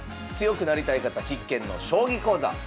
強くなりたい方必見の「将棋講座」。